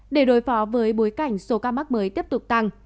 để đối phó với bối cảnh số ca mắc mới tiếp tục tăng